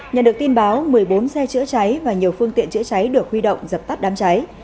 nhận được tin báo một mươi bốn xe chữa cháy và nhiều phương tiện chữa cháy được huy động dập tắt đám cháy